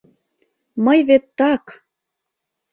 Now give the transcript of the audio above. — Мый вет так...